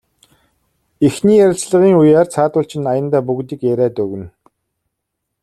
Эхний ярилцлагын үеэр цаадуул чинь аяндаа бүгдийг яриад өгнө.